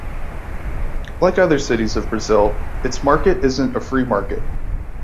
Like other cities of Brazil, its market isn't a free market.